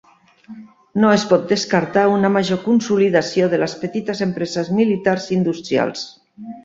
No es pot descartar una major consolidació de les petites empreses militars-industrials.